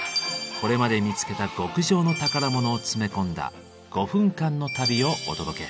これまで見つけた極上の宝物を詰め込んだ５分間の旅をお届け。